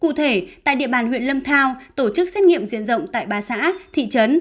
cụ thể tại địa bàn huyện lâm thao tổ chức xét nghiệm diện rộng tại ba xã thị trấn